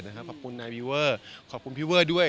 ดังทั้ง๗นะครับขอบคุณนายวีเวอร์ขอบคุณพี่เวอร์ด้วย